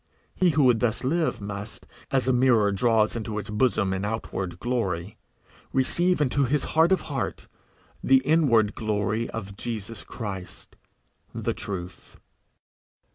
He who would thus live must, as a mirror draws into its bosom an outward glory, receive into his 'heart of heart' the inward glory of Jesus Christ, the Truth.